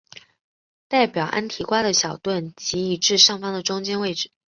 代表安提瓜的小盾即移至上方的中间位置。